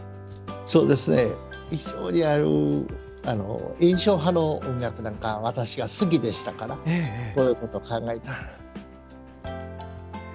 非常に印象派の音楽なんか私が好きでしたからこういうことを考えた。